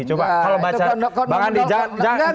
coba kalau baca bang andi jangan